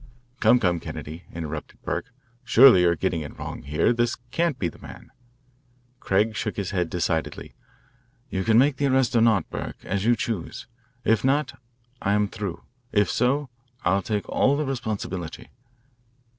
"Come, come, Kennedy," interrupted Burke. "Surely you are getting in wrong here. This can't be the man." Craig shook his head decidedly. "You can make the arrest or not, Burke, as you choose. If not, I am through. If so I'll take all the responsibility."